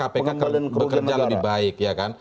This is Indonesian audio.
pengambilan kerugian negara